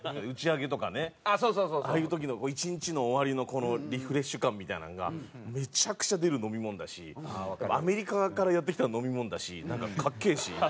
打ち上げとかねああいう時の１日の終わりのこのリフレッシュ感みたいなのがめちゃくちゃ出る飲み物だしアメリカからやって来た飲み物だしなんかかっけえし。